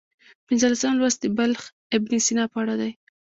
پنځلسم لوست د بلخي ابن سینا په اړه دی.